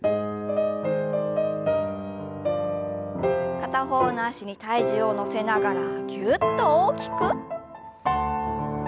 片方の脚に体重を乗せながらぎゅっと大きく。